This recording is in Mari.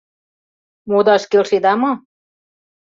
Модаш келшеда мо?